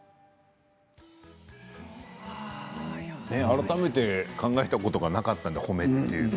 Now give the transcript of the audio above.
改めて考えたことがなかったんですけど褒めって。